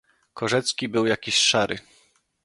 "Korzecki był jakiś szary."